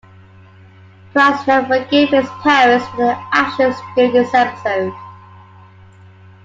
Price never forgave his parents for their actions during this episode.